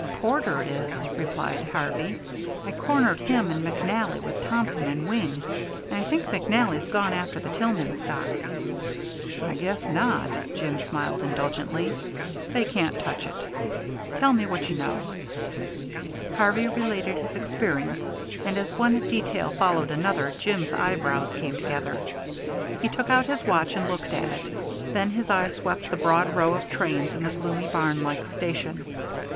"Porter is," replied Harvey. "I cornered him and McNally with Thompson and Wing, and I think McNally's gone after the Tillman stock." "I guess not," Jim smiled indulgently. "They can't touch it. Tell me what you know." Harvey related his experience, and as one detail followed another Jim's eyebrows came together. He took out his watch and looked at it, then his eye swept the broad row of trains in the gloomy, barnlike station.